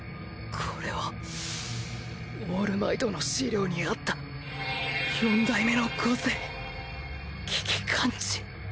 これはオールマイトの資料にあった４代目の個性危機感知